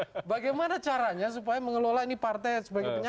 ya kan bagaimana caranya supaya mengelola ini partai sebagai penyakit